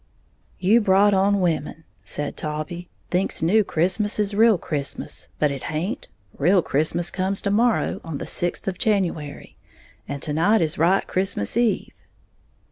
"You brought on women," said Taulbee, "thinks New Christmas is real Christmas; but it haint. Real Christmas comes to morrow, on the sixth of January; and to night is right Christmas Eve."